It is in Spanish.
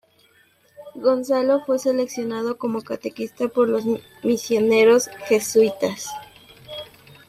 Gonzalo fue seleccionado como catequista por los misioneros jesuitas.